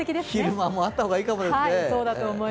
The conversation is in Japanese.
昼間もあった方がいいかもですね。